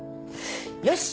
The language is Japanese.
よし！